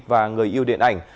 và người yêu điện ảnh